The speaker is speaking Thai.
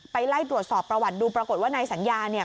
ไล่ตรวจสอบประวัติดูปรากฏว่านายสัญญาเนี่ย